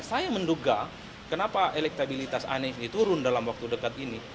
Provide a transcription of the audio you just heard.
saya menduga kenapa elektabilitas anies ini turun dalam waktu dekat ini